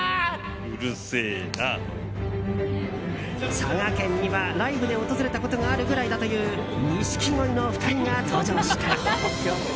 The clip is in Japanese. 佐賀県にはライブで訪れたことがあるぐらいだという錦鯉の２人が登場した。